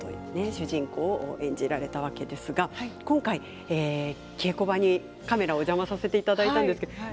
主人公を演じられたわけですが今回、稽古場にカメラがお邪魔させていただきました。